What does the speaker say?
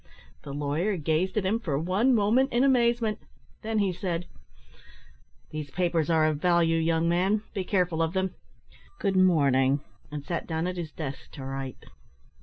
The lawyer gazed at him for one moment in amazement. Then he said "These papers are of value, young man: be careful of them. Good morning " and sat down at his desk to write.